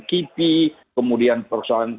kipi kemudian persoalan